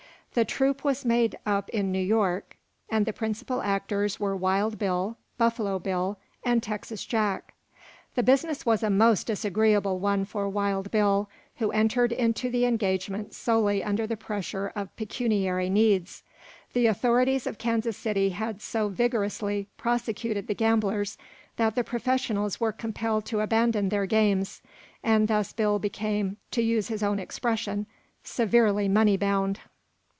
The troupe was made up in New York, and the principal actors were Wild Bill, Buffalo Bill and Texas Jack. The business was a most disagreeable one for Wild Bill, who entered into the engagement solely under the pressure of pecuniary needs. The authorities of Kansas City had so vigorously prosecuted the gamblers that the professionals were compelled to abandon their games, and thus Bill became, to use his own expression, "severely money bound."